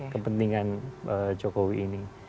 kepentingan jokowi ini